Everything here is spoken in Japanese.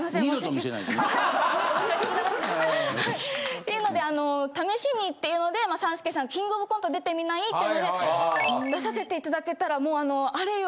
っていうので試しにっていうので３助さん『キングオブコント』出てみない？っていうので出させていただけたらもうあれよ